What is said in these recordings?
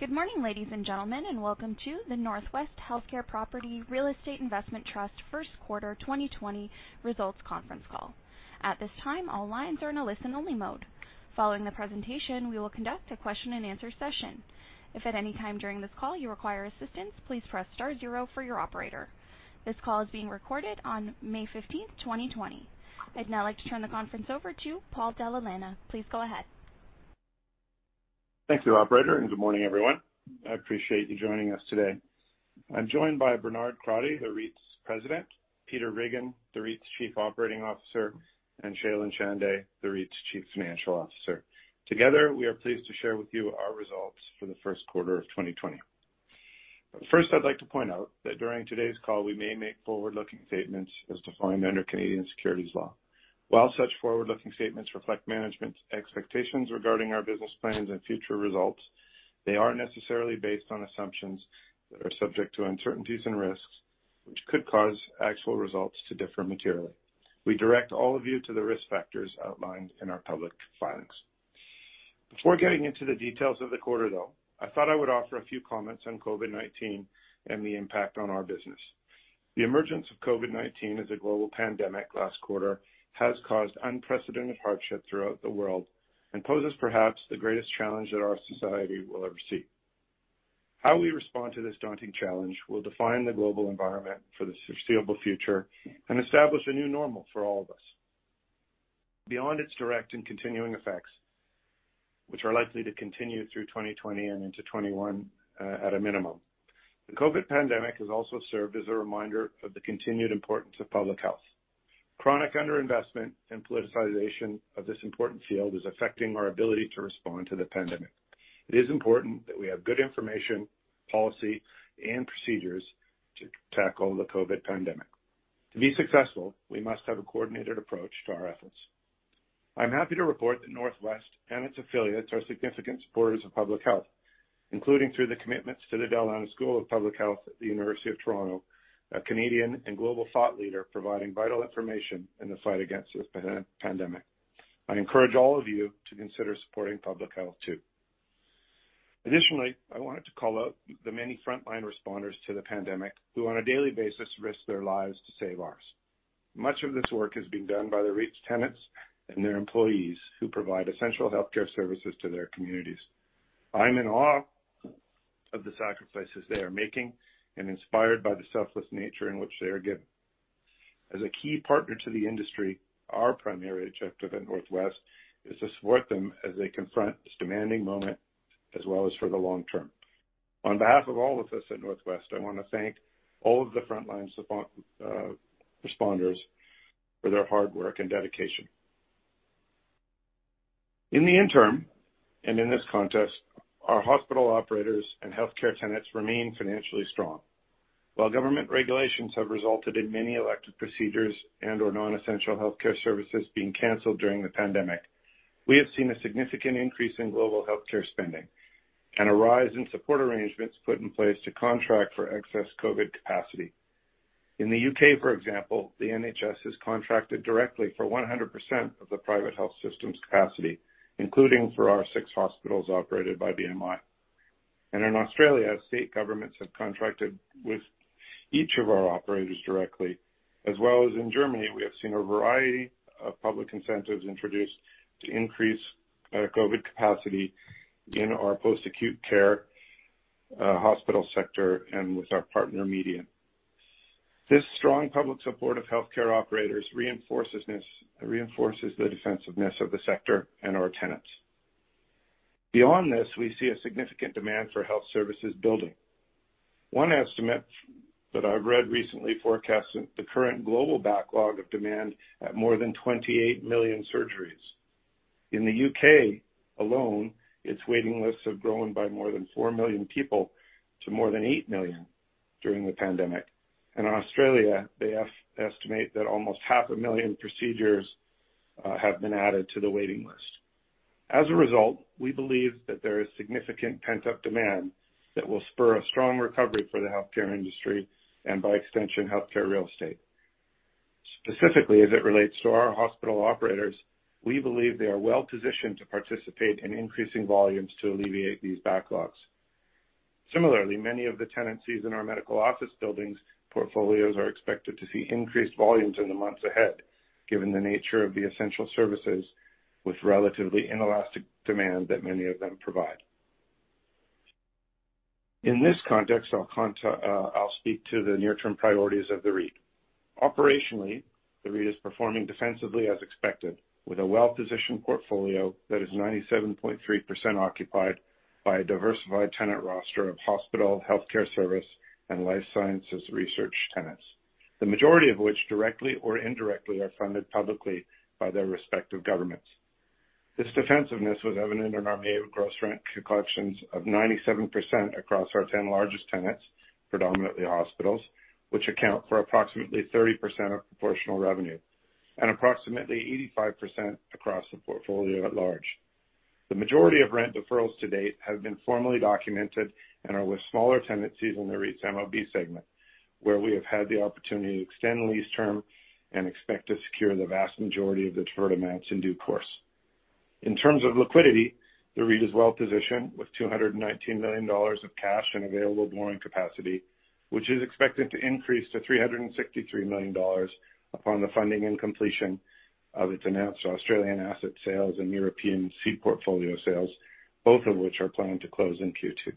Good morning, ladies and gentlemen, and welcome to the Northwest Healthcare Properties Real Estate Investment Trust first quarter 2020 results conference call. At this time, all lines are in a listen-only mode. Following the presentation, we will conduct a question and answer session. If at any time during this call you require assistance, please press star zero for your operator. This call is being recorded on May 15th, 2020. I'd now like to turn the conference over to Paul Dalla Lana. Please go ahead. Thank you, operator, and good morning, everyone. I appreciate you joining us today. I'm joined by Bernard Crotty, the REIT's President, Peter Riggin, the REIT's Chief Operating Officer, and Shailen Chande, the REIT's Chief Financial Officer. Together, we are pleased to share with you our results for the first quarter of 2020. First, I'd like to point out that during today's call, we may make forward-looking statements as defined under Canadian securities law. While such forward-looking statements reflect management's expectations regarding our business plans and future results, they are necessarily based on assumptions that are subject to uncertainties and risks, which could cause actual results to differ materially. We direct all of you to the risk factors outlined in our public filings. Before getting into the details of the quarter, though, I thought I would offer a few comments on COVID-19 and the impact on our business. The emergence of COVID-19 as a global pandemic last quarter has caused unprecedented hardship throughout the world and poses perhaps the greatest challenge that our society will ever see. How we respond to this daunting challenge will define the global environment for the foreseeable future and establish a new normal for all of us. Beyond its direct and continuing effects, which are likely to continue through 2020 and into 2021, at a minimum, the COVID pandemic has also served as a reminder of the continued importance of public health. Chronic underinvestment and politicization of this important field is affecting our ability to respond to the pandemic. It is important that we have good information, policy, and procedures to tackle the COVID pandemic. To be successful, we must have a coordinated approach to our efforts. I'm happy to report that Northwest and its affiliates are significant supporters of public health, including through the commitments to the Dalla Lana School of Public Health at the University of Toronto, a Canadian and global thought leader providing vital information in the fight against this pandemic. I encourage all of you to consider supporting public health, too. Additionally, I wanted to call out the many frontline responders to the pandemic who, on a daily basis, risk their lives to save ours. Much of this work is being done by the REIT's tenants and their employees who provide essential healthcare services to their communities. I'm in awe of the sacrifices they are making and inspired by the selfless nature in which they are given. As a key partner to the industry, our primary objective at Northwest is to support them as they confront this demanding moment as well as for the long term. On behalf of all of us at Northwest, I want to thank all of the frontline responders for their hard work and dedication. In the interim, and in this context, our hospital operators and healthcare tenants remain financially strong. While government regulations have resulted in many elective procedures and/or non-essential healthcare services being canceled during the pandemic, we have seen a significant increase in global healthcare spending and a rise in support arrangements put in place to contract for excess COVID-19 capacity. In the U.K., for example, the NHS has contracted directly for 100% of the private health system's capacity, including for our six hospitals operated by BMI. In Australia, state governments have contracted with each of our operators directly, as well as in Germany, we have seen a variety of public incentives introduced to increase COVID capacity in our post-acute care, hospital sector, and with our partner, Median. This strong public support of healthcare operators reinforces the defensiveness of the sector and our tenants. Beyond this, we see a significant demand for health services building. One estimate that I've read recently forecasts the current global backlog of demand at more than 28 million surgeries. In the U.K. alone, its waiting lists have grown by more than 4 million people to more than 8 million during the pandemic. In Australia, they estimate that almost half a million procedures have been added to the waiting list. As a result, we believe that there is significant pent-up demand that will spur a strong recovery for the healthcare industry and by extension, healthcare real estate. Specifically, as it relates to our hospital operators, we believe they are well positioned to participate in increasing volumes to alleviate these backlogs. Similarly, many of the tenancies in our medical office buildings portfolios are expected to see increased volumes in the months ahead, given the nature of the essential services with relatively inelastic demand that many of them provide. In this context, I'll speak to the near-term priorities of the REIT. Operationally, the REIT is performing defensively as expected, with a well-positioned portfolio that is 97.3% occupied by a diversified tenant roster of hospital, healthcare service, and life sciences research tenants, the majority of which directly or indirectly are funded publicly by their respective governments. This defensiveness was evident in our May gross rent collections of 97% across our 10 largest tenants, predominantly hospitals, which account for approximately 30% of proportional revenue, and approximately 85% across the portfolio at large. The majority of rent deferrals to date have been formally documented and are with smaller tenancies in the REIT's MOB segment, where we have had the opportunity to extend lease term and expect to secure the vast majority of the deferred amounts in due course. In terms of liquidity, the REIT is well-positioned with 219 million dollars of cash and available borrowing capacity, which is expected to increase to 363 million dollars upon the funding and completion of its announced Australian asset sales and European seed portfolio sales, both of which are planned to close in Q2.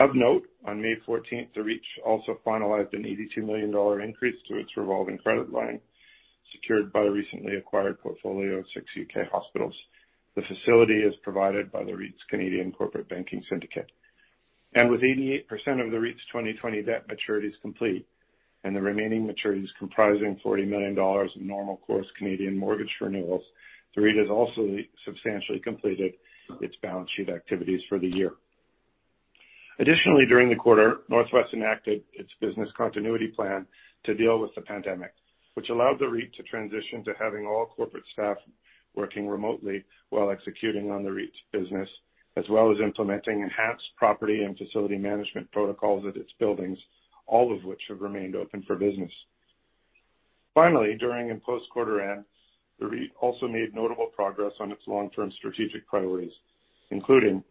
Of note, on May 14th, the REIT also finalized an 82 million dollar increase to its revolving credit line, secured by the recently acquired portfolio of six U.K. hospitals. The facility is provided by the REIT's Canadian Corporate Banking Syndicate. With 88% of the REIT's 2020 debt maturities complete, and the remaining maturities comprising 40 million dollars in normal course Canadian mortgage renewals, the REIT has also substantially completed its balance sheet activities for the year. Additionally, during the quarter, Northwest enacted its business continuity plan to deal with the pandemic, which allowed the REIT to transition to having all corporate staff working remotely while executing on the REIT's business, as well as implementing enhanced property and facility management protocols at its buildings, all of which have remained open for business. Finally, during and post quarter end, the REIT also made notable progress on its long-term strategic priorities, including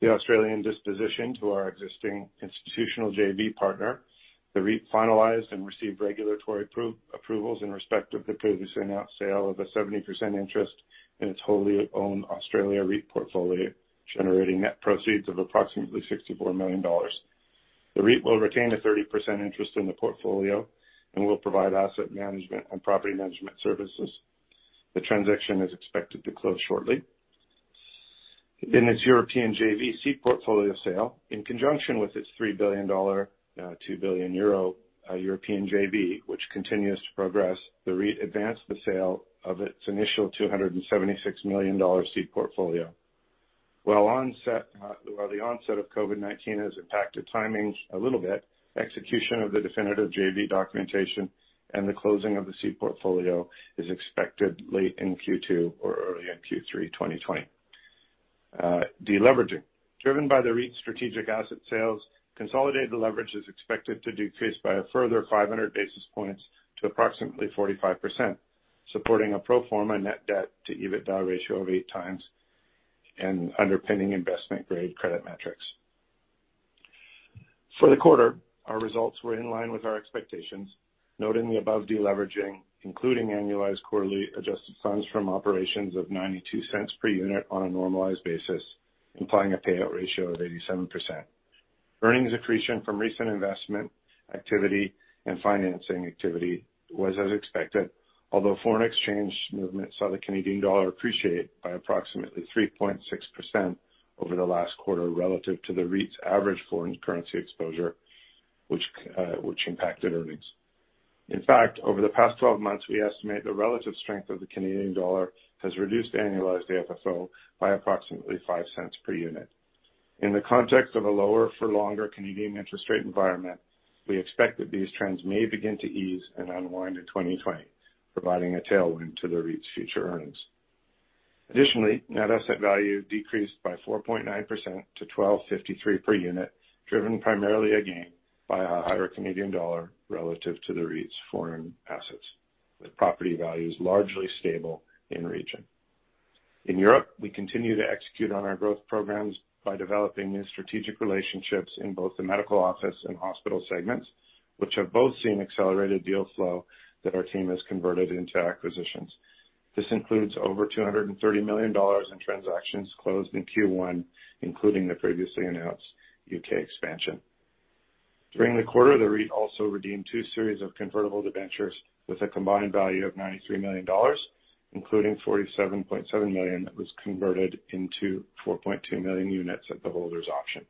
the Australian disposition to our existing institutional JV partner. The REIT finalized and received regulatory approvals in respect of the previously announced sale of a 70% interest in its wholly owned Australia REIT portfolio, generating net proceeds of approximately 64 million dollars. The REIT will retain a 30% interest in the portfolio and will provide asset management and property management services. The transaction is expected to close shortly. In its European JV seed portfolio sale, in conjunction with its 3 billion dollar, 2 billion euro, European JV, which continues to progress, the REIT advanced the sale of its initial 276 million dollar seed portfolio. While the onset of COVID-19 has impacted timing a little bit, execution of the definitive JV documentation and the closing of the seed portfolio is expected late in Q2 or early in Q3 2020. Deleveraging. Driven by the REIT's strategic asset sales, consolidated leverage is expected to decrease by a further 500 basis points to approximately 45%, supporting a pro forma net debt to EBITDA ratio of 8 times and underpinning investment-grade credit metrics. For the quarter, our results were in line with our expectations, noting the above deleveraging, including annualized quarterly adjusted funds from operations of 0.92 per unit on a normalized basis, implying a payout ratio of 87%. Earnings accretion from recent investment activity and financing activity was as expected, although foreign exchange movement saw the Canadian dollar appreciate by approximately 3.6% over the last quarter relative to the REIT's average foreign currency exposure, which impacted earnings. Over the past 12 months, we estimate the relative strength of the Canadian dollar has reduced annualized AFFO by approximately 0.05 per unit. In the context of a lower for longer Canadian interest rate environment, we expect that these trends may begin to ease and unwind in 2020, providing a tailwind to the REIT's future earnings. Net asset value decreased by 4.9% to 12.53 per unit, driven primarily again by a higher Canadian dollar relative to the REIT's foreign assets, with property values largely stable in region. In Europe, we continue to execute on our growth programs by developing new strategic relationships in both the medical office and hospital segments, which have both seen accelerated deal flow that our team has converted into acquisitions. This includes over 230 million dollars in transactions closed in Q1, including the previously announced U.K. expansion. During the quarter, the REIT also redeemed two series of convertible debentures with a combined value of 93 million dollars, including 47.7 million that was converted into 4.2 million units at the holder's option.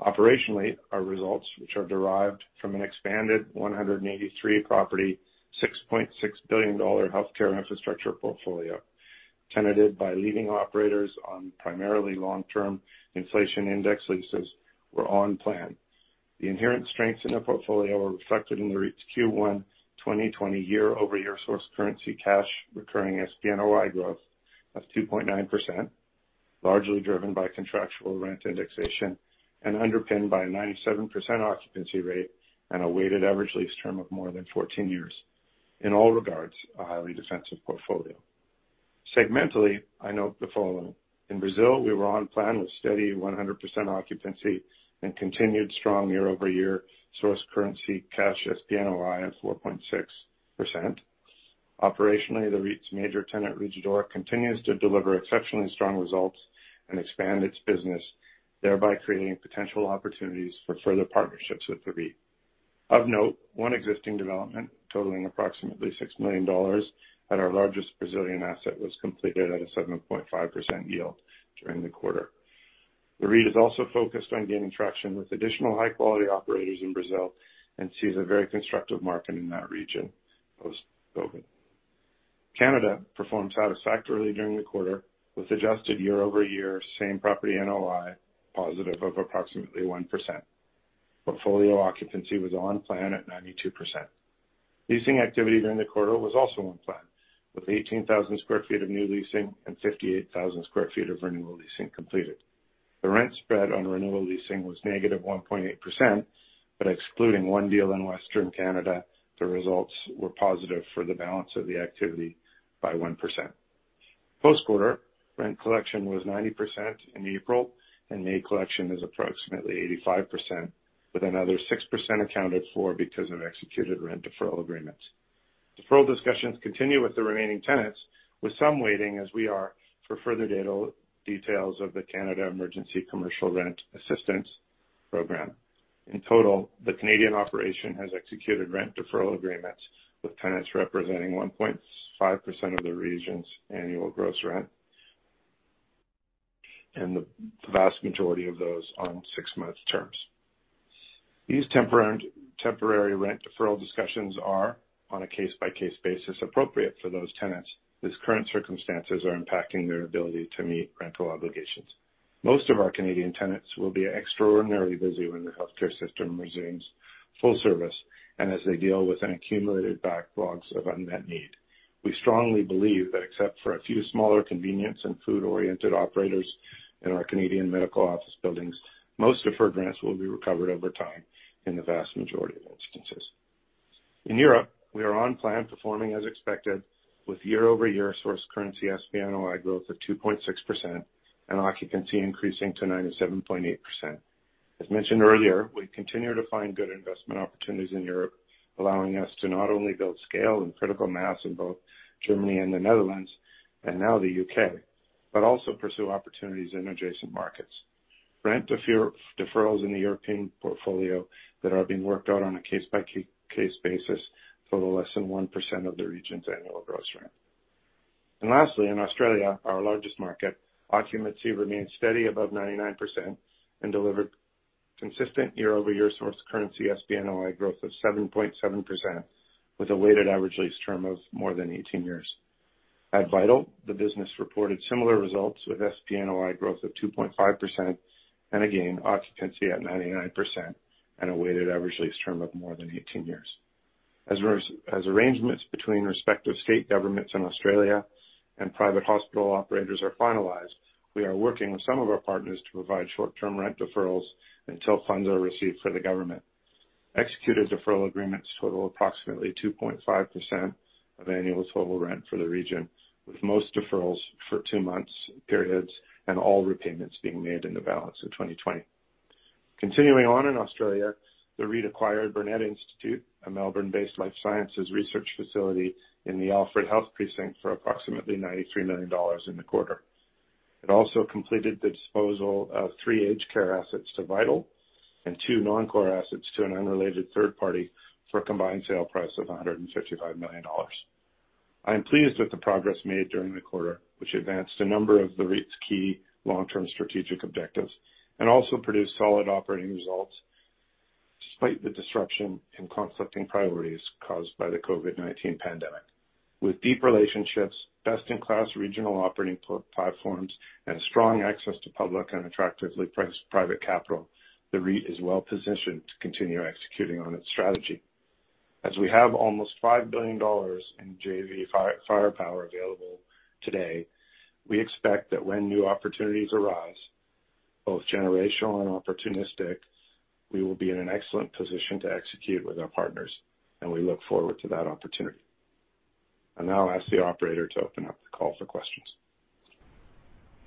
Operationally, our results, which are derived from an expanded 183 property, CAD 6.6 billion healthcare infrastructure portfolio, tenanted by leading operators on primarily long-term inflation-indexed leases, were on plan. The inherent strengths in the portfolio were reflected in the REIT's Q1 2020 year-over-year source currency cash recurring SPNOI growth of 2.9%, largely driven by contractual rent indexation and underpinned by a 97% occupancy rate and a weighted average lease term of more than 14 years. In all regards, a highly defensive portfolio. Segmentally, I note the following. In Brazil, we were on plan with steady 100% occupancy and continued strong year-over-year source currency cash SPNOI of 4.6%. Operationally, the REIT's major tenant, Rede D'Or, continues to deliver exceptionally strong results and expand its business, thereby creating potential opportunities for further partnerships with the REIT. Of note, one existing development totaling approximately 6 million dollars at our largest Brazilian asset was completed at a 7.5% yield during the quarter. The REIT is also focused on gaining traction with additional high-quality operators in Brazil and sees a very constructive market in that region post-COVID. Canada performed satisfactorily during the quarter with adjusted year-over-year same property NOI positive of approximately 1%. Portfolio occupancy was on plan at 92%. Leasing activity during the quarter was also on plan, with 18,000 sq ft of new leasing and 58,000 sq ft of renewal leasing completed. The rent spread on renewal leasing was negative 1.8%, but excluding one deal in Western Canada, the results were positive for the balance of the activity by 1%. First quarter rent collection was 90% in April. May collection is approximately 85%, with another 6% accounted for because of executed rent deferral agreements. Deferral discussions continue with the remaining tenants, with some waiting, as we are, for further details of the Canada Emergency Commercial Rent Assistance program. In total, the Canadian operation has executed rent deferral agreements with tenants representing 1.5% of the region's annual gross rent, the vast majority of those on six-month terms. These temporary rent deferral discussions are, on a case-by-case basis, appropriate for those tenants, as current circumstances are impacting their ability to meet rental obligations. Most of our Canadian tenants will be extraordinarily busy when the healthcare system resumes full service and as they deal with an accumulated backlog of unmet need. We strongly believe that except for a few smaller convenience and food-oriented operators in our Canadian medical office buildings, most deferred rents will be recovered over time in the vast majority of instances. In Europe, we are on plan performing as expected with year-over-year source currency SPNOI growth of 2.6% and occupancy increasing to 97.8%. As mentioned earlier, we continue to find good investment opportunities in Europe, allowing us to not only build scale and critical mass in both Germany and the Netherlands, and now the U.K., but also pursue opportunities in adjacent markets. Rent deferrals in the European portfolio that are being worked out on a case-by-case basis total less than 1% of the region's annual gross rent. Lastly, in Australia, our largest market, occupancy remains steady above 99% and delivered consistent year-over-year source currency SPNOI growth of 7.7%, with a weighted average lease term of more than 18 years. At Vital Healthcare Property Trust, the business reported similar results with SPNOI growth of 2.5% and again, occupancy at 99% and a weighted average lease term of more than 18 years. As arrangements between respective state governments in Australia and private hospital operators are finalized, we are working with some of our partners to provide short-term rent deferrals until funds are received from the government. Executed deferral agreements total approximately 2.5% of annual total rent for the region, with most deferrals for two months periods and all repayments being made in the balance of 2020. Continuing on in Australia, the REIT acquired Burnet Institute, a Melbourne-based life sciences research facility in the Alfred Health Precinct, for approximately 93 million dollars in the quarter. It also completed the disposal of three aged care assets to Vital and two non-core assets to an unrelated third party for a combined sale price of 155 million dollars. I am pleased with the progress made during the quarter, which advanced a number of the REIT's key long-term strategic objectives and also produced solid operating results despite the disruption in conflicting priorities caused by the COVID-19 pandemic. With deep relationships, best-in-class regional operating platforms, and strong access to public and attractively priced private capital, the REIT is well positioned to continue executing on its strategy. As we have almost 5 billion dollars in JV firepower available today, we expect that when new opportunities arise, both generational and opportunistic, we will be in an excellent position to execute with our partners, and we look forward to that opportunity. I now ask the operator to open up the call for questions.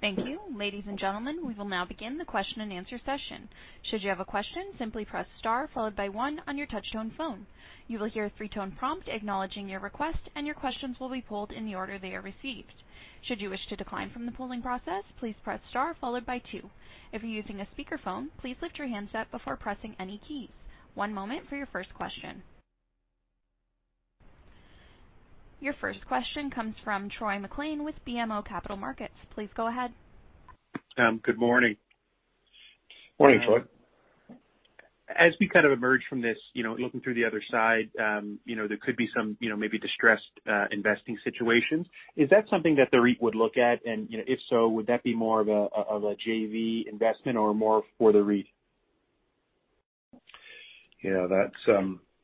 Thank you. Ladies and gentlemen, we will now begin the question and answer session. Should you have a question, simply press star followed by one on your touch-tone phone. You will hear a three-tone prompt acknowledging your request, and your questions will be pulled in the order they are received. Should you wish to decline from the polling process, please press star followed by two. If you're using a speakerphone, please lift your handset before pressing any keys. One moment for your first question. Your first question comes from Troy MacLean with BMO Capital Markets. Please go ahead. Good morning. Morning, Troy. As we kind of emerge from this, looking through the other side, there could be some maybe distressed investing situations. Is that something that the REIT would look at? If so, would that be more of a JV investment or more for the REIT? Yeah,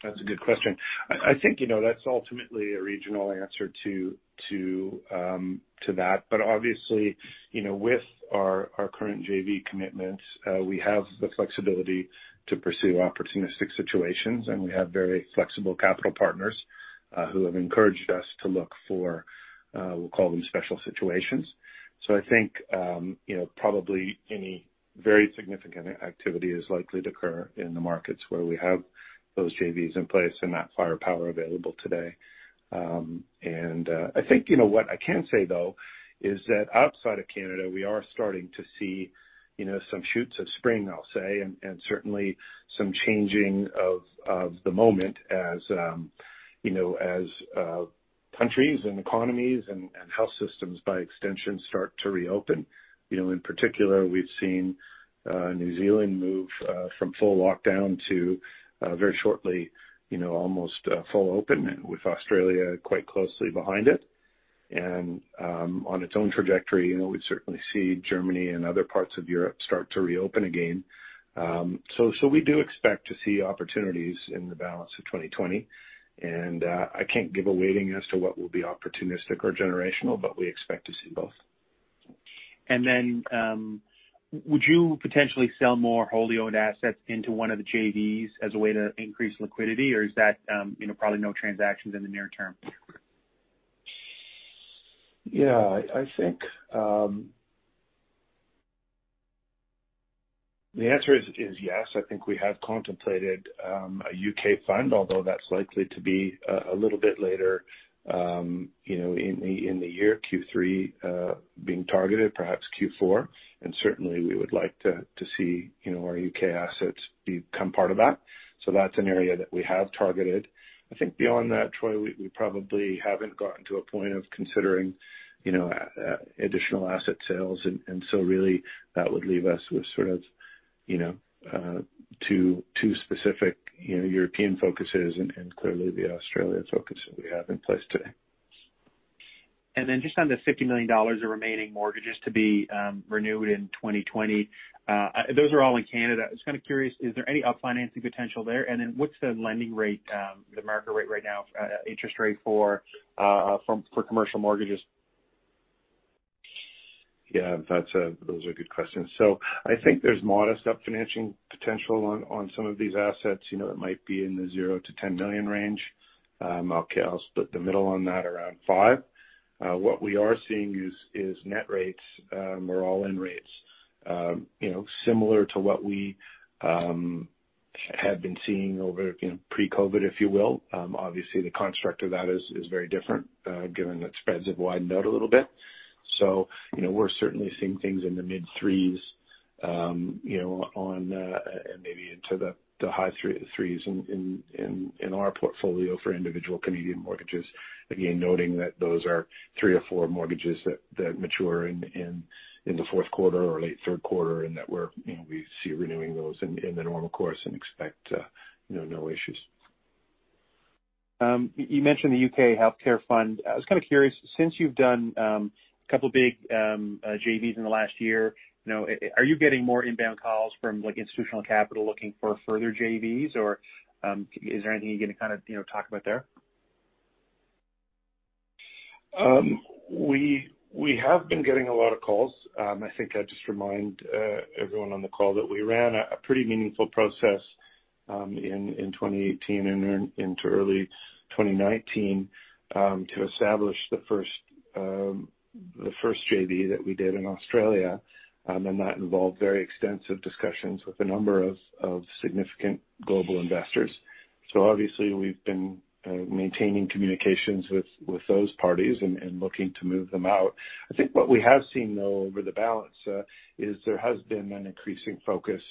that's a good question. I think that's ultimately a regional answer to that. Obviously, with our current JV commitments, we have the flexibility to pursue opportunistic situations, and we have very flexible capital partners who have encouraged us to look for, we'll call them special situations. I think probably any very significant activity is likely to occur in the markets where we have those JVs in place and that firepower available today. I think what I can say, though, is that outside of Canada, we are starting to see some shoots of spring, I'll say, and certainly some changing of the moment as countries and economies and health systems by extension, start to reopen. In particular, we've seen New Zealand move from full lockdown to very shortly almost full open, with Australia quite closely behind it. On its own trajectory, we certainly see Germany and other parts of Europe start to reopen again. We do expect to see opportunities in the balance of 2020. I can't give a weighting as to what will be opportunistic or generational, but we expect to see both. Would you potentially sell more wholly owned assets into one of the JVs as a way to increase liquidity, or is that probably no transactions in the near term? Yeah, I think the answer is yes. I think we have contemplated a U.K. fund, although that's likely to be a little bit later in the year, Q3 being targeted, perhaps Q4. Certainly, we would like to see our U.K. assets become part of that. That's an area that we have targeted. I think beyond that, Troy, we probably haven't gotten to a point of considering additional asset sales, and so really, that would leave us with two specific European focuses and clearly the Australian focus that we have in place today. Just on the 50 million dollars of remaining mortgages to be renewed in 2020, those are all in Canada. I was kind of curious, is there any up-financing potential there? What's the lending rate, the market rate right now, interest rate for commercial mortgages? Yeah, those are good questions. I think there's modest up-financing potential on some of these assets. It might be in the 0 million-10 million range. I'll split the middle on that around five. What we are seeing is net rates or all-in rates similar to what we have been seeing over pre-COVID-19, if you will. Obviously, the construct of that is very different, given that spreads have widened out a little bit. We're certainly seeing things in the mid threes, and maybe into the high threes in our portfolio for individual Canadian mortgages. Again, noting that those are three or four mortgages that mature in the fourth quarter or late third quarter, and that we see renewing those in the normal course and expect no issues. You mentioned the U.K. healthcare fund. I was kind of curious, since you've done a couple of big JVs in the last year, are you getting more inbound calls from institutional capital looking for further JVs? Is there anything you can kind of talk about there? We have been getting a lot of calls. I think I'd just remind everyone on the call that we ran a pretty meaningful process in 2018 and into early 2019, to establish the first JV that we did in Australia. That involved very extensive discussions with a number of significant global investors. Obviously, we've been maintaining communications with those parties and looking to move them out. I think what we have seen, though, over the balance, is there has been an increasing focus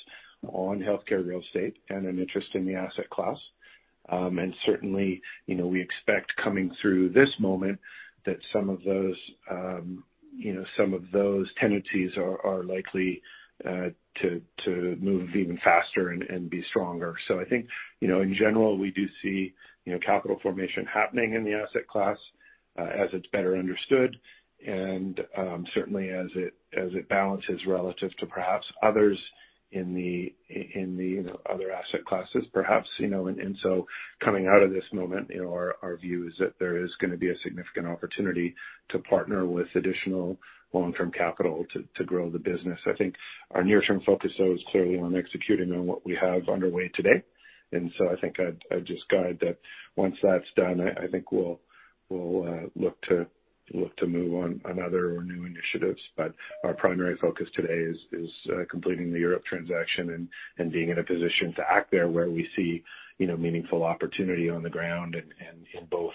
on healthcare real estate and an interest in the asset class. Certainly, we expect coming through this moment that some of those tendencies are likely to move even faster and be stronger. I think in general, we do see capital formation happening in the asset class as it's better understood and certainly as it balances relative to perhaps others in the other asset classes, perhaps. Coming out of this moment, our view is that there is going to be a significant opportunity to partner with additional long-term capital to grow the business. I think our near-term focus, though, is clearly on executing on what we have underway today. I think I'd just guide that once that's done, I think we'll look to move on other or new initiatives. Our primary focus today is completing the Europe transaction and being in a position to act there where we see meaningful opportunity on the ground and in both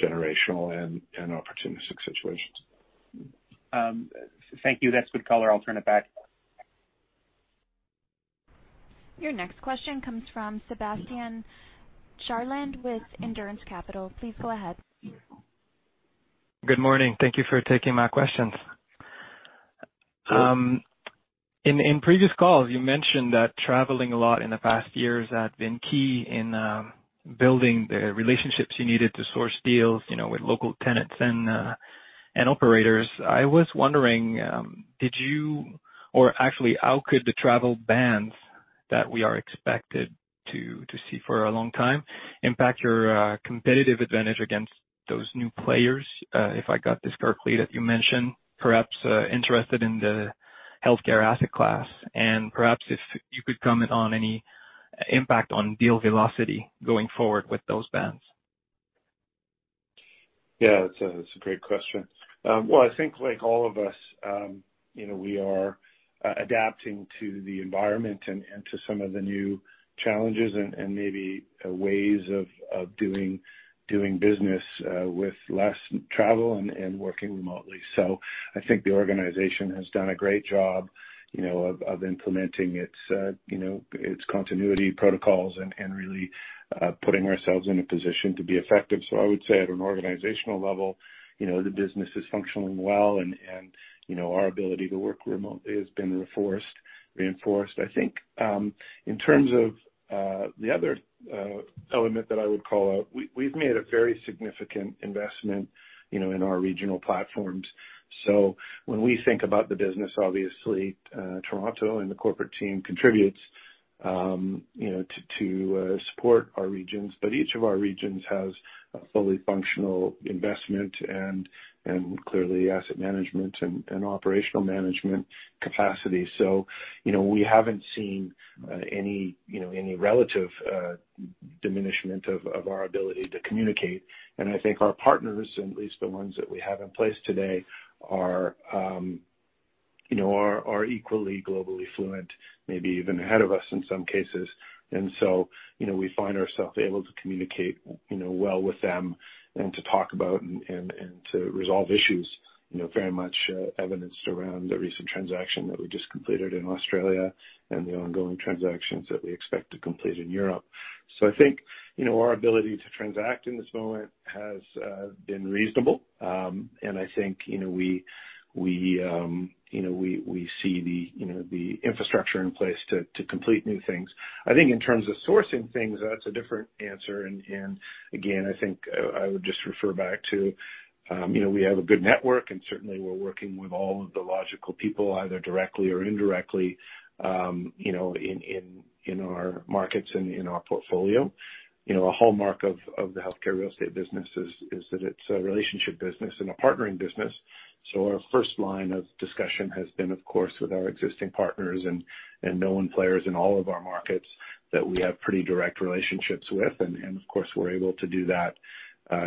generational and opportunistic situations. Thank you. That's good color. I'll turn it back. Your next question comes from Sebastien Charland with Endurance Capital. Please go ahead. Good morning. Thank you for taking my questions. Sure. In previous calls, you mentioned that traveling a lot in the past years had been key in building the relationships you needed to source deals with local tenants and operators. I was wondering, or actually, how could the travel bans that we are expected to see for a long time impact your competitive advantage against those new players, if I got this correctly, that you mentioned, perhaps interested in the healthcare asset class? And perhaps if you could comment on any impact on deal velocity going forward with those bans. Yeah, it's a great question. Well, I think like all of us, we are adapting to the environment and to some of the new challenges and maybe ways of doing business with less travel and working remotely. I think the organization has done a great job of implementing its continuity protocols and really putting ourselves in a position to be effective. I would say at an organizational level, the business is functioning well, and our ability to work remotely has been reinforced. I think in terms of the other element that I would call out, we've made a very significant investment in our regional platforms. When we think about the business, obviously, Toronto and the corporate team contributes to support our regions, but each of our regions has a fully functional investment and clearly asset management and operational management capacity. We haven't seen any relative diminishment of our ability to communicate. I think our partners, at least the ones that we have in place today, are equally globally fluent, maybe even ahead of us in some cases. We find ourselves able to communicate well with them and to talk about and to resolve issues, very much evidenced around the recent transaction that we just completed in Australia and the ongoing transactions that we expect to complete in Europe. I think, our ability to transact in this moment has been reasonable. I think we see the infrastructure in place to complete new things. I think in terms of sourcing things, that's a different answer. Again, I think I would just refer back to. We have a good network, and certainly we're working with all of the logical people, either directly or indirectly, in our markets and in our portfolio. A hallmark of the healthcare real estate business is that it's a relationship business and a partnering business. Our first line of discussion has been, of course, with our existing partners and known players in all of our markets that we have pretty direct relationships with. Of course, we're able to do that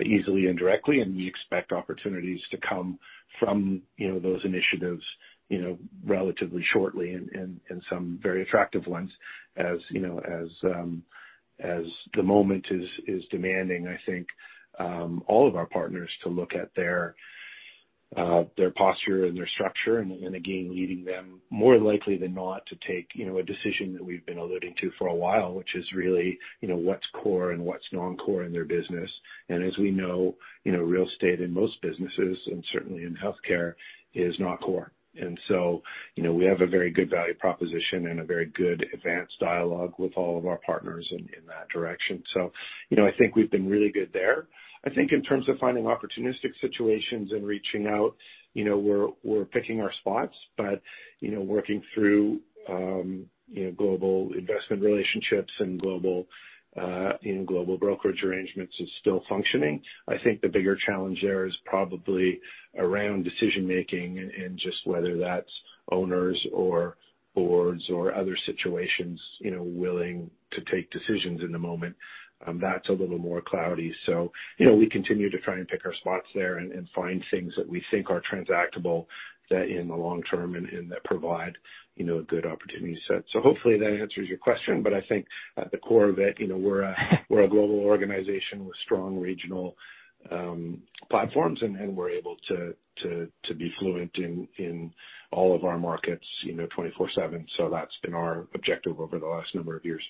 easily and directly, and we expect opportunities to come from those initiatives relatively shortly and some very attractive ones. As the moment is demanding, I think all of our partners to look at their posture and their structure, and again, leading them more likely than not to take a decision that we've been alluding to for a while, which is really what's core and what's non-core in their business. As we know, real estate in most businesses, and certainly in healthcare, is not core. We have a very good value proposition and a very good advanced dialogue with all of our partners in that direction. I think we've been really good there. I think in terms of finding opportunistic situations and reaching out, we're picking our spots. Working through global investment relationships and global brokerage arrangements is still functioning. I think the bigger challenge there is probably around decision-making and just whether that's owners or boards or other situations willing to take decisions in the moment. That's a little more cloudy. We continue to try and pick our spots there and find things that we think are transactable in the long term and that provide a good opportunity set. Hopefully that answers your question, but I think at the core of it, we're a global organization with strong regional platforms, and we're able to be fluent in all of our markets 24/7. That's been our objective over the last number of years.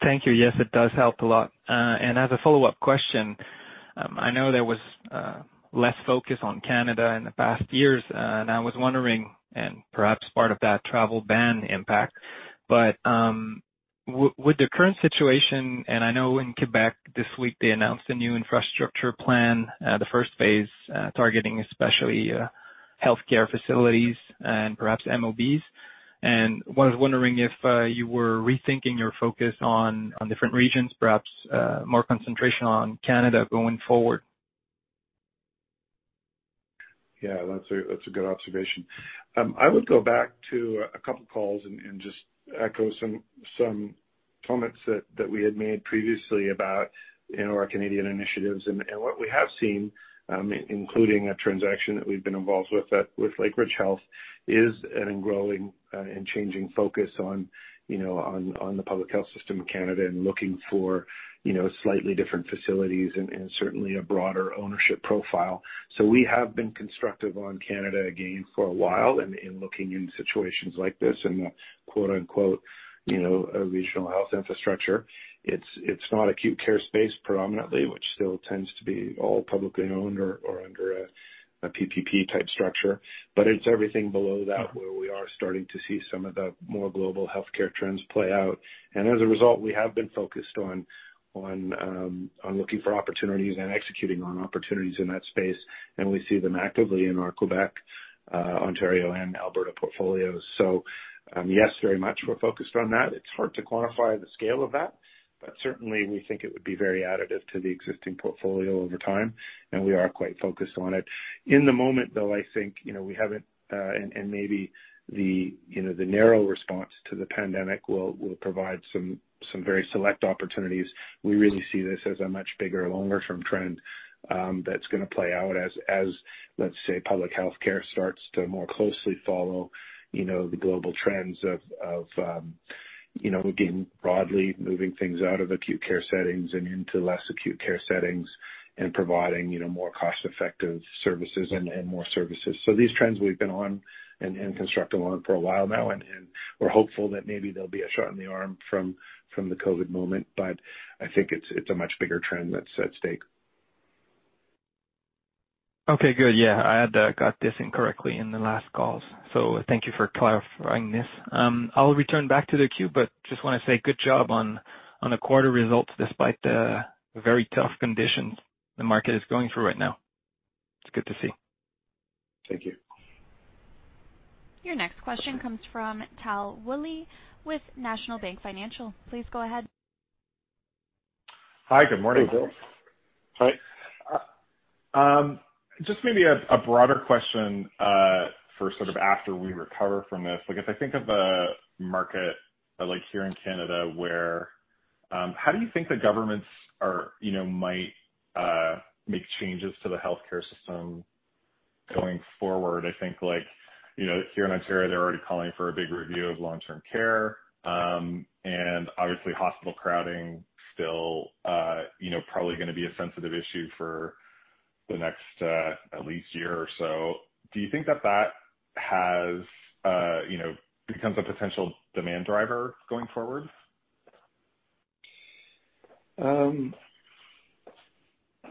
Thank you. Yes, it does help a lot. As a follow-up question, I know there was less focus on Canada in the past years, I was wondering, and perhaps part of that travel ban impact, but with the current situation, I know in Quebec this week, they announced a new infrastructure plan, the first phase, targeting especially healthcare facilities and perhaps MOBs. I was wondering if you were rethinking your focus on different regions, perhaps more concentration on Canada going forward. Yeah. That's a good observation. I would go back to a couple of calls and just echo some comments that we had made previously about our Canadian initiatives. What we have seen, including a transaction that we've been involved with Lakeridge Health, is an ongoing and changing focus on the public health system in Canada and looking for slightly different facilities and certainly a broader ownership profile. We have been constructive on Canada, again, for a while, and looking in situations like this in a quote, unquote, "a regional health infrastructure." It's not acute care space predominantly, which still tends to be all publicly owned or under a PPP-type structure. It's everything below that where we are starting to see some of the more global healthcare trends play out. As a result, we have been focused on looking for opportunities and executing on opportunities in that space, and we see them actively in our Quebec, Ontario, and Alberta portfolios. Yes, very much, we're focused on that. It's hard to quantify the scale of that, but certainly, we think it would be very additive to the existing portfolio over time, and we are quite focused on it. In the moment, though, I think we haven't. Maybe the narrow response to the pandemic will provide some very select opportunities. We really see this as a much bigger, longer-term trend that's going to play out as, let's say, public healthcare starts to more closely follow the global trends of, again, broadly moving things out of acute care settings and into less acute care settings and providing more cost-effective services and more services. These trends we've been on and constructive on for a while now, and we're hopeful that maybe there'll be a shot in the arm from the COVID moment, but I think it's a much bigger trend that's at stake. Okay, good. Yeah. I had got this incorrectly in the last calls. Thank you for clarifying this. I'll return back to the queue, but just want to say good job on the quarter results, despite the very tough conditions the market is going through right now. It's good to see. Thank you. Your next question comes from Tal Woolley with National Bank Financial. Please go ahead. Hi, good morning. Hey, Tal. Hi. Just maybe a broader question. For sort of after we recover from this, if I think of a market like here in Canada, how do you think the governments might make changes to the healthcare system going forward? I think, here in Ontario, they're already calling for a big review of long-term care. Obviously hospital crowding still probably going to be a sensitive issue for the next at least year or so. Do you think that that becomes a potential demand driver going forward?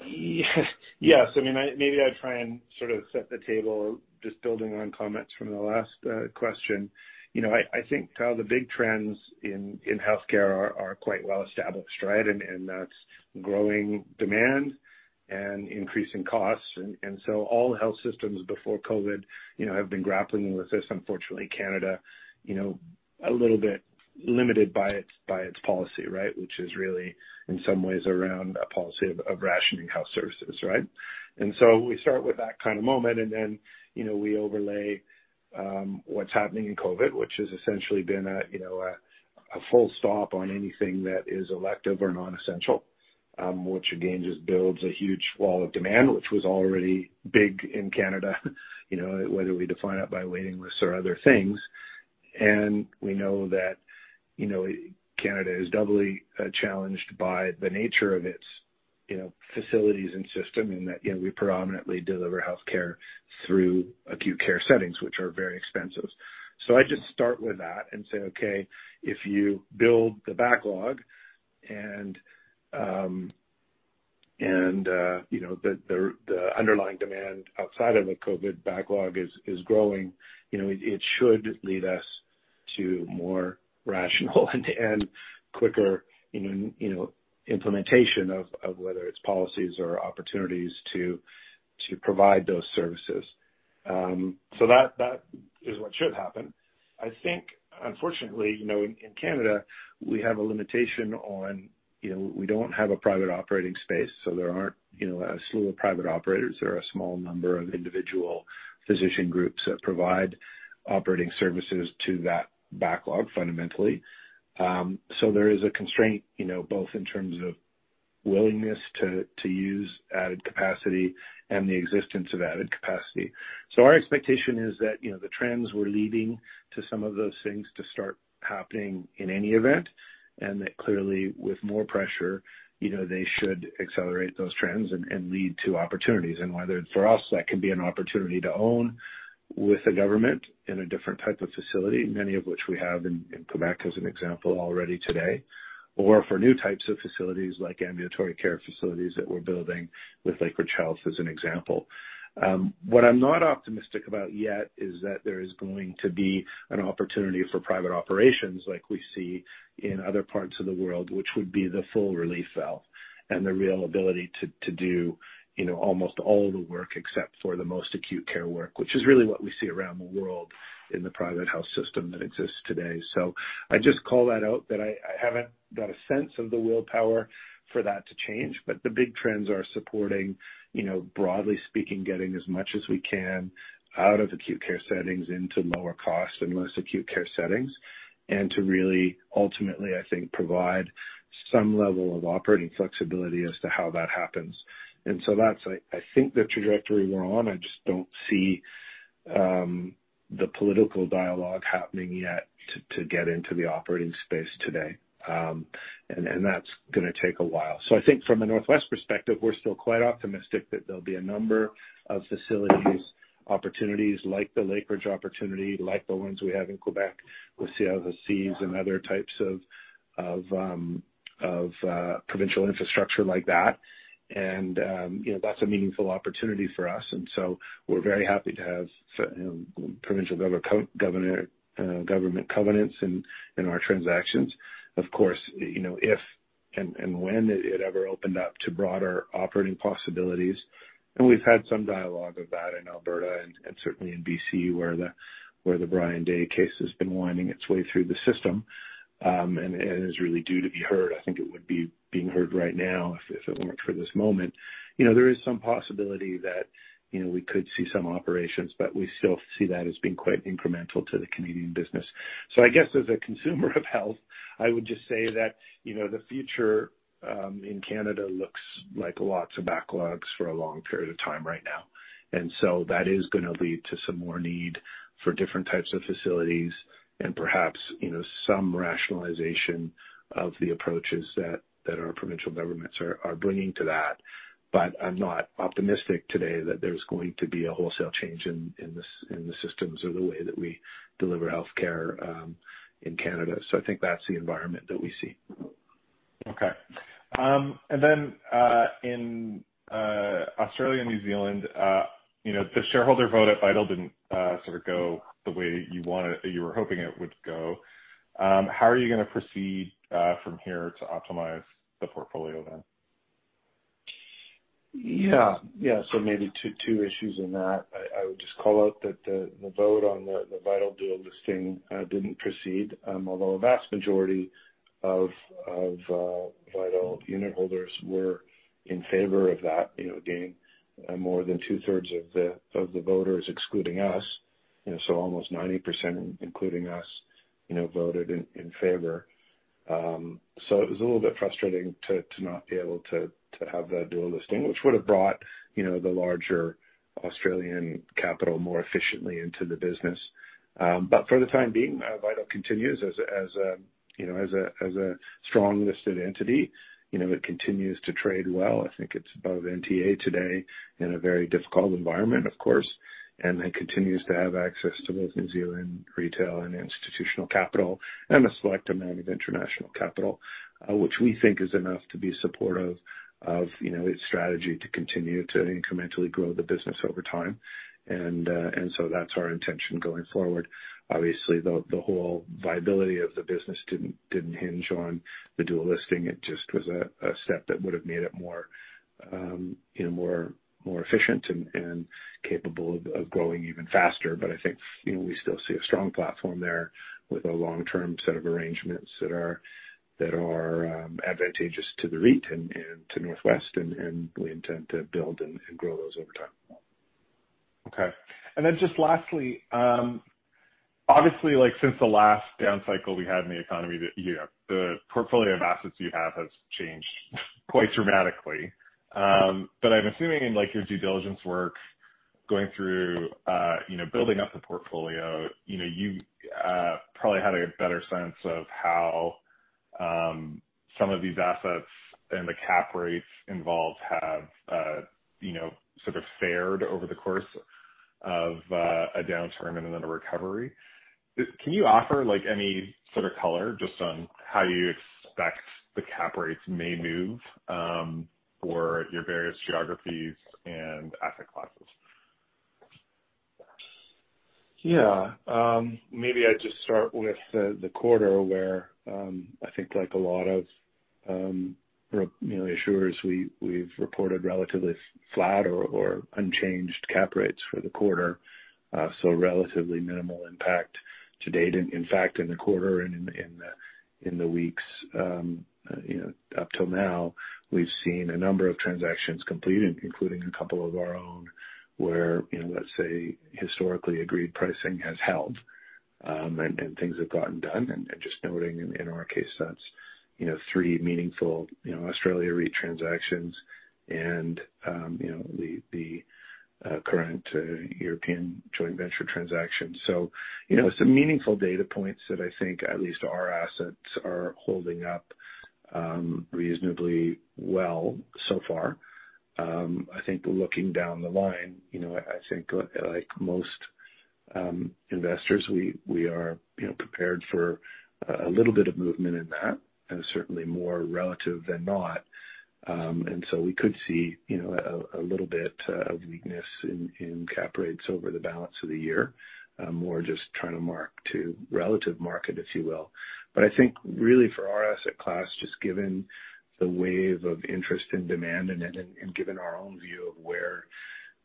Yes. Maybe I'd try and sort of set the table, just building on comments from the last question. I think the big trends in healthcare are quite well-established, right? That's growing demand and increasing costs. All health systems before COVID have been grappling with this. Unfortunately, Canada, a little bit limited by its policy, which is really in some ways around a policy of rationing health services, right? We start with that kind of moment, and then we overlay what's happening in COVID, which has essentially been a full stop on anything that is elective or non-essential, which again, just builds a huge wall of demand, which was already big in Canada whether we define it by waiting lists or other things. We know that Canada is doubly challenged by the nature of its facilities and system in that we predominantly deliver healthcare through acute care settings, which are very expensive. I just start with that and say, okay, if you build the backlog and the underlying demand outside of a COVID-19 backlog is growing, it should lead us to more rational and quicker implementation of whether it's policies or opportunities to provide those services. That is what should happen. I think, unfortunately, in Canada, we have a limitation on-- we don't have a private operating space, so there aren't a slew of private operators. There are a small number of individual physician groups that provide operating services to that backlog fundamentally. There is a constraint, both in terms of willingness to use added capacity and the existence of added capacity. Our expectation is that the trends were leading to some of those things to start happening in any event, and that clearly with more pressure, they should accelerate those trends and lead to opportunities. Whether for us, that can be an opportunity to own with the government in a different type of facility, many of which we have in Quebec as an example already today, or for new types of facilities like ambulatory care facilities that we're building with Lakeridge Health as an example. What I'm not optimistic about yet is that there is going to be an opportunity for private operations like we see in other parts of the world, which would be the full relief valve and the real ability to do almost all the work except for the most acute care work, which is really what we see around the world in the private health system that exists today. I just call that out that I haven't got a sense of the willpower for that to change, but the big trends are supporting, broadly speaking, getting as much as we can out of acute care settings into lower cost and less acute care settings, and to really ultimately, I think, provide some level of operating flexibility as to how that happens. That's I think the trajectory we're on. I just don't see the political dialogue happening yet to get into the operating space today. That's going to take a while. I think from a Northwest perspective, we're still quite optimistic that there'll be a number of facilities opportunities like the Lakeridge opportunity, like the ones we have in Quebec with CLSC and other types of provincial infrastructure like that. That's a meaningful opportunity for us, and so we're very happy to have provincial government covenants in our transactions. Of course, if and when it ever opened up to broader operating possibilities, and we've had some dialogue of that in Alberta and certainly in B.C., where the Brian Day case has been winding its way through the system, and is really due to be heard. I think it would be being heard right now if it weren't for this moment. There is some possibility that we could see some operations, but we still see that as being quite incremental to the Canadian business. I guess as a consumer of health, I would just say that the future in Canada looks like lots of backlogs for a long period of time right now. That is going to lead to some more need for different types of facilities and perhaps some rationalization of the approaches that our provincial governments are bringing to that. I'm not optimistic today that there's going to be a wholesale change in the systems or the way that we deliver healthcare in Canada. I think that's the environment that we see. Okay. In Australia and New Zealand, the shareholder vote at Vital didn't sort of go the way you were hoping it would go. How are you going to proceed from here to optimize the portfolio then? Maybe two issues in that. I would just call out that the Vital dual listing didn't proceed. A vast majority of Vital unitholders were in favor of that, again, more than two-thirds of the voters excluding us. Almost 90%, including us, voted in favor. It was a little bit frustrating to not be able to have that dual listing, which would have brought the larger Australian capital more efficiently into the business. For the time being, Vital continues as a strong listed entity. It continues to trade well. I think it's above NTA today in a very difficult environment, of course, continues to have access to both New Zealand retail and institutional capital and a select amount of international capital, which we think is enough to be supportive of its strategy to continue to incrementally grow the business over time. That's our intention going forward. Obviously, the whole viability of the business didn't hinge on the dual listing. It just was a step that would've made it more efficient and capable of growing even faster. I think we still see a strong platform there with a long-term set of arrangements that are advantageous to the REIT and to Northwest, and we intend to build and grow those over time. Just lastly, obviously, since the last down cycle we had in the economy, the portfolio of assets you have has changed quite dramatically. I'm assuming in your due diligence work, going through building up the portfolio, you probably had a better sense of how some of these assets and the cap rates involved have sort of fared over the course of a downturn and then a recovery. Can you offer any sort of color just on how you expect the cap rates may move for your various geographies and asset classes? Yeah. Maybe I'd just start with the quarter where I think like a lot of issuers, we've reported relatively flat or unchanged cap rates for the quarter, so relatively minimal impact to date. In fact, in the quarter and in the weeks up till now, we've seen a number of transactions completed, including a couple of our own, where, let's say, historically agreed pricing has held, and things have gotten done. Just noting in our case that's three meaningful Australia REIT transactions and the current European joint venture transaction. Some meaningful data points that I think at least our assets are holding up reasonably well so far. I think looking down the line, I think like most investors, we are prepared for a little bit of movement in that, and certainly more relative than not. We could see a little bit of weakness in cap rates over the balance of the year, more just trying to mark to relative market, if you will. I think really for our asset class, just given the wave of interest and demand and given our own view of where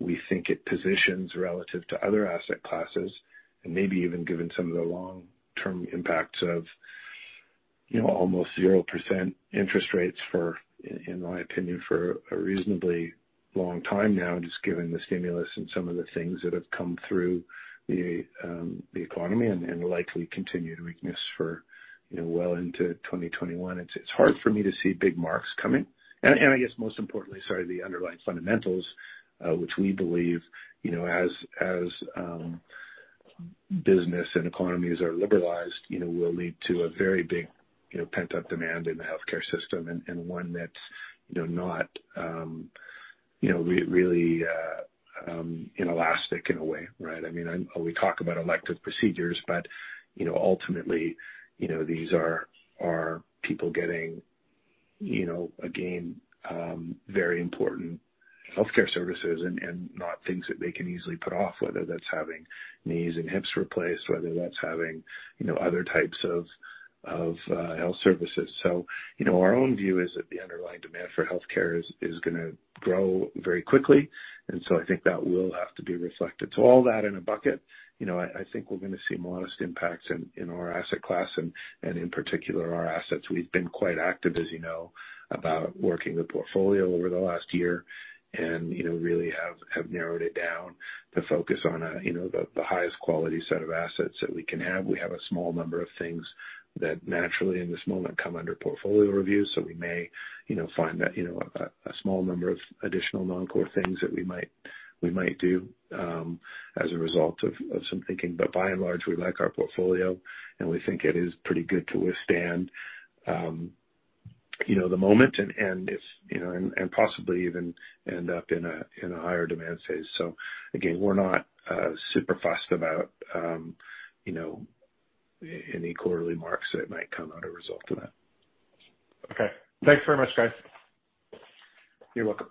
we think it positions relative to other asset classes, and maybe even given some of the long-term impacts of almost 0% interest rates for, in my opinion, for a reasonably long time now, just given the stimulus and some of the things that have come through the economy and likely continue to weakness for well into 2021. It's hard for me to see big marks coming. I guess most importantly, sorry, the underlying fundamentals, which we believe as business and economies are liberalized, will lead to a very big pent-up demand in the healthcare system and one that's not really inelastic in a way, right? We talk about elective procedures, but ultimately these are people getting, again, very important healthcare services and not things that they can easily put off, whether that's having knees and hips replaced, whether that's having other types of health services. Our own view is that the underlying demand for healthcare is going to grow very quickly, and so I think that will have to be reflected. All that in a bucket, I think we're going to see modest impacts in our asset class and in particular our assets. We've been quite active, as you know, about working the portfolio over the last year and really have narrowed it down to focus on the highest quality set of assets that we can have. We have a small number of things that naturally in this moment come under portfolio review, so we may find that a small number of additional non-core things that we might do as a result of some thinking. By and large, we like our portfolio, and we think it is pretty good to withstand the moment and possibly even end up in a higher demand phase. Again, we're not super fussed about any quarterly marks that might come out a result of that. Okay. Thanks very much, guys. You're welcome.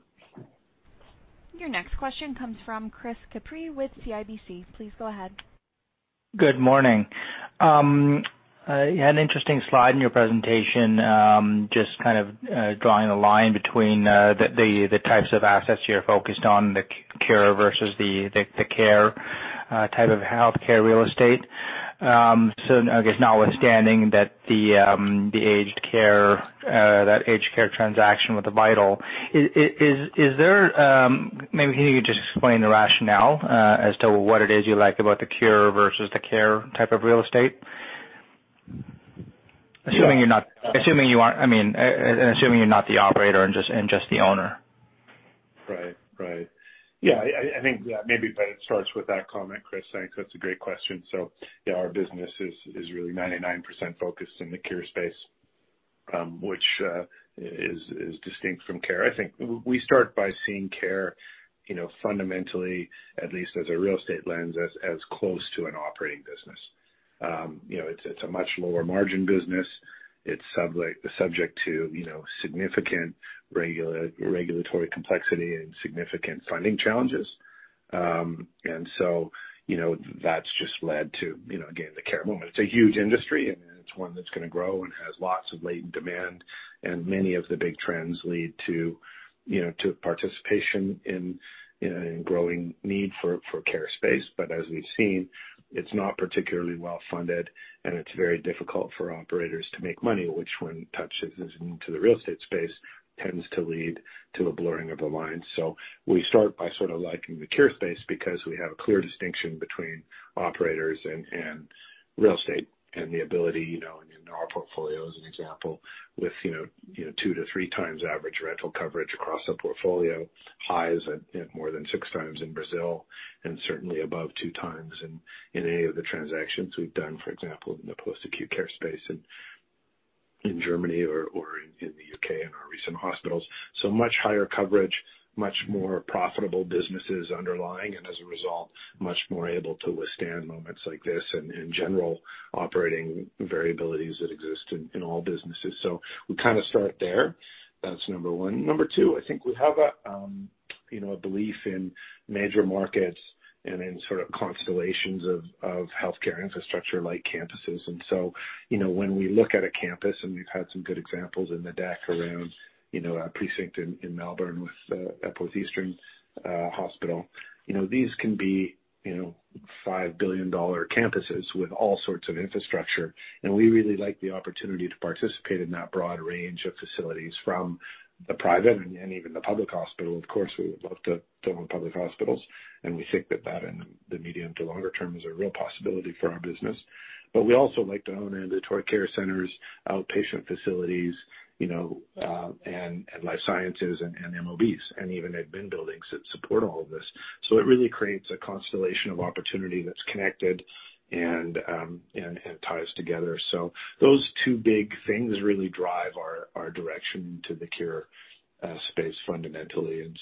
Your next question comes from Chris Couprie with CIBC. Please go ahead. Good morning. You had an interesting slide in your presentation, just kind of drawing a line between the types of assets you're focused on, the cure versus the care type of healthcare real estate. I guess notwithstanding that aged care transaction with the Vital, maybe can you just explain the rationale as to what it is you liked about the cure versus the care type of real estate? Assuming you're not the operator and just the owner. Right. Yeah, I think maybe, but it starts with that comment, Chris. Thanks. That's a great question. Yeah, our business is really 99% focused in the cure space, which is distinct from care. I think we start by seeing care fundamentally, at least as a real estate lens, as close to an operating business. It's a much lower margin business. It's subject to significant regulatory complexity and significant funding challenges. That's just led to, again, the care moment. It's a huge industry and it's one that's going to grow and has lots of latent demand and many of the big trends lead to participation in a growing need for care space. As we've seen, it's not particularly well-funded and it's very difficult for operators to make money, which when touched into the real estate space, tends to lead to a blurring of the lines. We start by sort of liking the cure space because we have a clear distinction between operators and real estate and the ability, and our portfolio is an example with two to three times average rental coverage across the portfolio, highs at more than six times in Brazil and certainly above two times in any of the transactions we've done, for example, in the post-acute care space in Germany or in the U.K. in our recent hospitals. Much higher coverage, much more profitable businesses underlying, and as a result, much more able to withstand moments like this and in general, operating variabilities that exist in all businesses. We kind of start there. That's number one. Number two, I think we have a belief in major markets and in sort of constellations of healthcare infrastructure like campuses. When we look at a campus, and we've had some good examples in the deck around our precinct in Melbourne with South Eastern Private Hospital. These can be 5 billion dollar campuses with all sorts of infrastructure, and we really like the opportunity to participate in that broad range of facilities from the private and even the public hospital. Of course, we would love to own public hospitals, and we think that that in the medium to longer term is a real possibility for our business. We also like to own ambulatory care centers, outpatient facilities, and life sciences and MOBs, and even admin buildings that support all of this. It really creates a constellation of opportunity that's connected and ties together. Those two big things really drive our direction to the cure space fundamentally.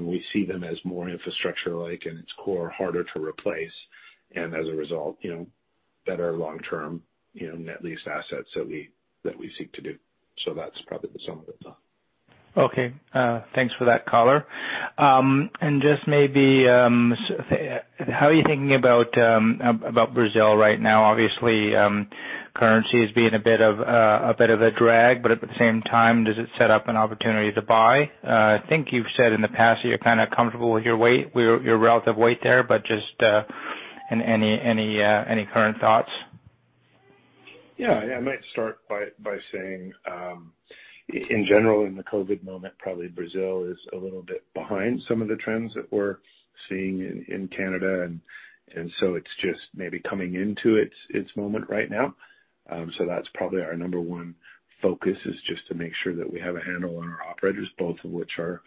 We see them as more infrastructure-like in its core, harder to replace, and as a result, better long-term net lease assets that we seek to do. That's probably the sum of it. Okay, thanks for that, caller. Just maybe, how are you thinking about Brazil right now? Obviously, currency is being a bit of a drag, but at the same time, does it set up an opportunity to buy? I think you've said in the past that you're kind of comfortable with your relative weight there, but just any current thoughts? I might start by saying, in general, in the COVID-19 moment, probably Brazil is a little bit behind some of the trends that we're seeing in Canada. It's just maybe coming into its moment right now. That's probably our number one focus is just to make sure that we have a handle on our operators, both of which are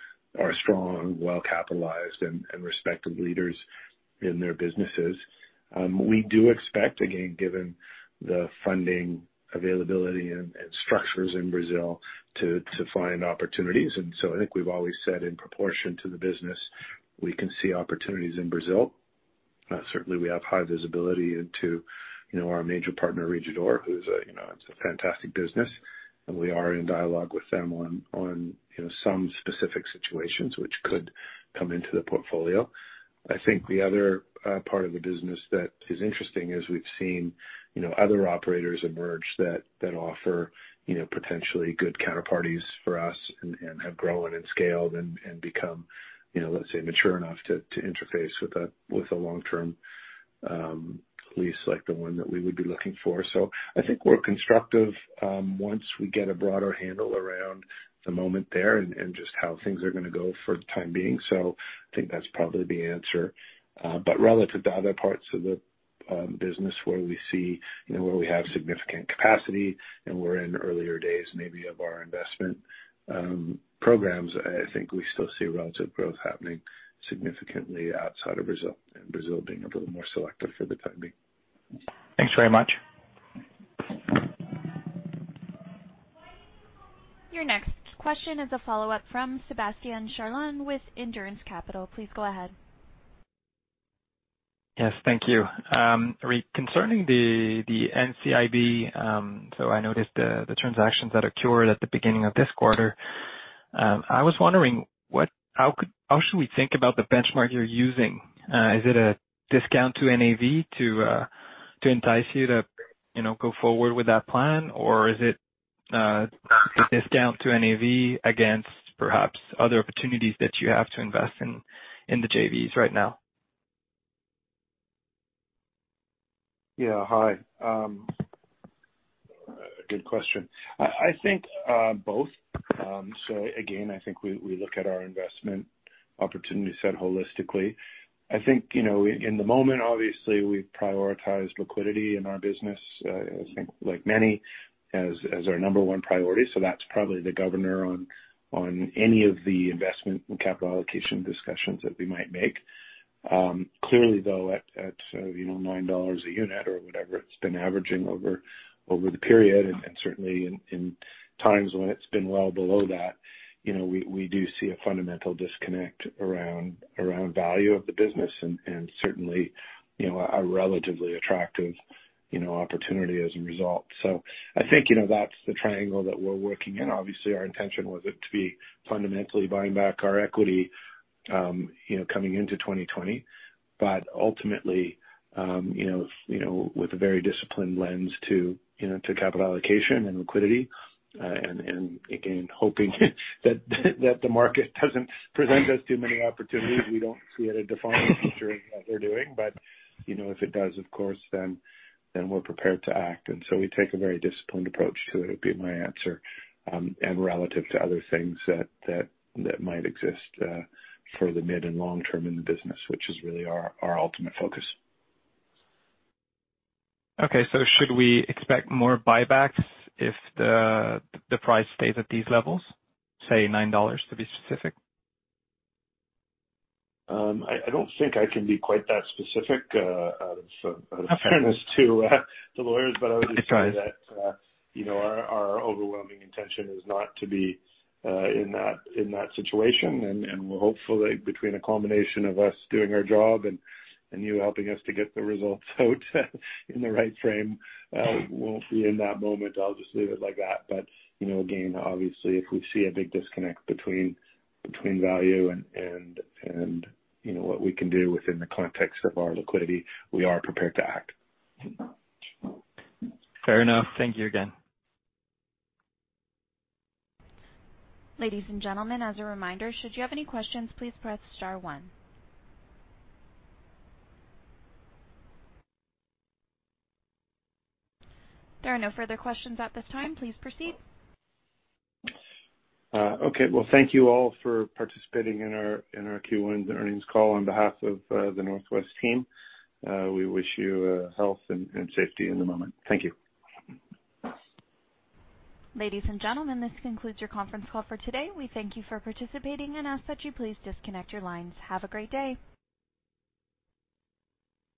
strong, well-capitalized, and respected leaders in their businesses. We do expect, again, given the funding availability and structures in Brazil to find opportunities. I think we've always said in proportion to the business, we can see opportunities in Brazil. Certainly, we have high visibility into our major partner, Rede D'Or, who's a fantastic business, and we are in dialogue with them on some specific situations which could come into the portfolio. I think the other part of the business that is interesting is we've seen other operators emerge that offer potentially good counterparties for us and have grown and scaled and become, let's say, mature enough to interface with a long-term lease like the one that we would be looking for. I think we're constructive, once we get a broader handle around the moment there and just how things are going to go for the time being. I think that's probably the answer. Relative to other parts of the business where we have significant capacity and we're in earlier days maybe of our investment programs, I think we still see relative growth happening significantly outside of Brazil, and Brazil being a little more selective for the time being. Thanks very much. Your next question is a follow-up from Sebastien Charland with Endurance Capital. Please go ahead. Yes. Thank you. [REIT], concerning the NCIB, I noticed the transactions that occurred at the beginning of this quarter. I was wondering, how should we think about the benchmark you're using? Is it a discount to NAV to entice you to go forward with that plan? Is it a discount to NAV against perhaps other opportunities that you have to invest in the JVs right now? Yeah. Hi. A good question. I think both. Again, I think we look at our investment opportunity set holistically. I think, in the moment, obviously, we've prioritized liquidity in our business, I think like many, as our number 1 priority. That's probably the governor on any of the investment and capital allocation discussions that we might make. Clearly though, at 9 dollars a unit or whatever it's been averaging over the period, and certainly in times when it's been well below that, we do see a fundamental disconnect around value of the business and certainly, a relatively attractive opportunity as a result. I think, that's the triangle that we're working in. Obviously, our intention was it to be fundamentally buying back our equity coming into 2020. Ultimately, with a very disciplined lens to capital allocation and liquidity, and again, hoping that the market doesn't present us too many opportunities we don't see at a defined future in what we're doing. If it does, of course, then we're prepared to act. We take a very disciplined approach to it would be my answer, and relative to other things that might exist for the mid and long term in the business, which is really our ultimate focus. Okay, should we expect more buybacks if the price stays at these levels, say 9 dollars, to be specific? I don't think I can be quite that specific out of fairness to the lawyers. That's fine. I would just say that our overwhelming intention is not to be in that situation, and we'll hopefully between a combination of us doing our job and you helping us to get the results out in the right frame, we won't be in that moment. I'll just leave it like that. Again, obviously, if we see a big disconnect between value and what we can do within the context of our liquidity, we are prepared to act. Fair enough. Thank you again. Ladies and gentlemen, as a reminder, should you have any questions, please press star one. There are no further questions at this time. Please proceed. Okay. Well, thank you all for participating in our Q1 earnings call. On behalf of the Northwest team, we wish you health and safety in the moment. Thank you. Ladies and gentlemen, this concludes your conference call for today. We thank you for participating and ask that you please disconnect your lines. Have a great day.